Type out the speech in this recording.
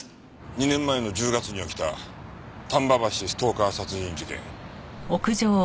２年前の１０月に起きた丹波橋ストーカー殺人事件。